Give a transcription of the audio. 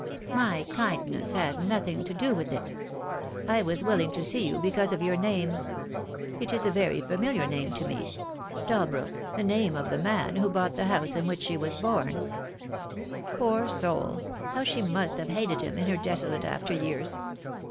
"My kindness had nothing to do with it. I was will ing to see you because of your name. It is a very familiar name to me — Dalbrook, the name of the man who bought the house in which she was born. Poor soul, how she must have hated him, in her desolate after years.